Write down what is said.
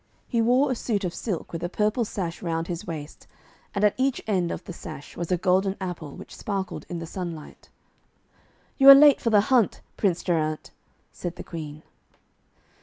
He wore a suit of silk, with a purple sash round his waist, and at each end of the sash was a golden apple, which sparkled in the sunlight. 'You are late for the hunt, Prince Geraint,' said the Queen.